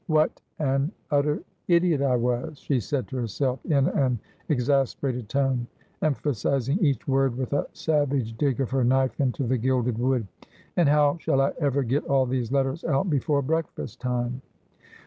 ' "What — an — utter — idiot I was !' she said to herself, in an exasperated tone, emphasising each word with a savage dig of her knife into the gilded wood. ' And how shall I ever get all these letters out before breakfast time